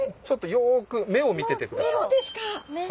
魚の目を見てください。